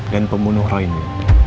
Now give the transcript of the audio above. dan pembunuh rai ini